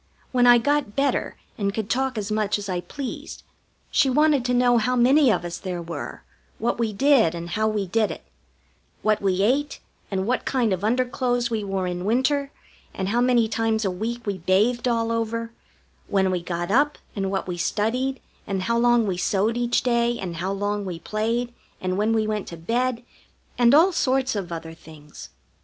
When I got better and could talk as much as I pleased, she wanted to know how many of us there were, what we did, and how we did it: what we ate, and what kind of underclothes we wore in winter, and how many times a week we bathed all over; when we got up, and what we studied, and how long we sewed each day, and how long we played, and when we went to bed and all sorts of other things.